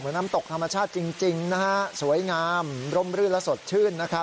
เหมือนน้ำตกธรรมชาติจริงสวยงามร่มรื่นและสดชื่น